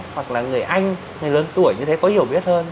hoặc là người anh người lớn tuổi như thế có hiểu biết hơn